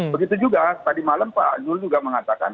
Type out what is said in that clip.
begitu juga tadi malam pak zul juga mengatakan